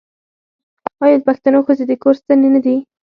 آیا د پښتنو ښځې د کور ستنې نه دي؟